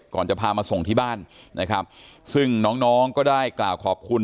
ก่อนจะพามาส่งที่บ้านนะครับซึ่งน้องน้องก็ได้กล่าวขอบคุณ